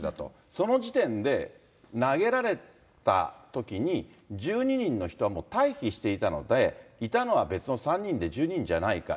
その時点で、投げられたときに１２人の人はもう退避していたので、いたのは別の３人で１２人じゃないから。